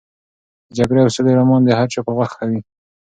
د جګړې او سولې رومان د هر چا په خوښه دی.